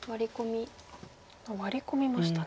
ワリ込みましたね。